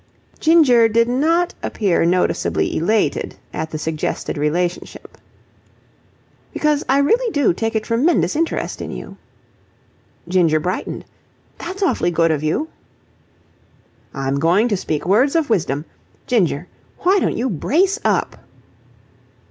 Ginger did not appear noticeably elated at the suggested relationship. "Because I really do take a tremendous interest in you." Ginger brightened. "That's awfully good of you." "I'm going to speak words of wisdom. Ginger, why don't you brace up?"